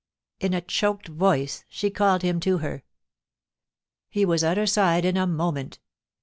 In a choked voice she called him to her. He was at her side in a moment.